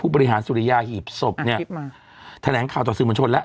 ผู้บริหารสุริยาหีบศพเนี่ยอ่าคลิปมาแถลงข่าวต่อสื่อบัญชนแล้ว